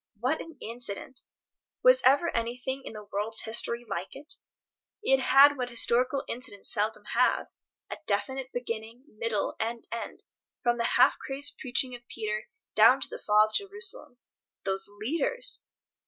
What an incident! Was ever anything in the world's history like it? It had what historical incidents seldom have, a definite beginning, middle and end, from the half crazed preaching of Peter down to the Fall of Jerusalem. Those leaders!